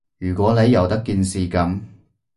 如果你由得件事噉